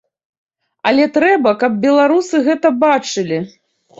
Але трэба, каб беларусы гэта бачылі.